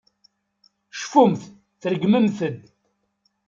Cfumt, tṛeggmemt-d.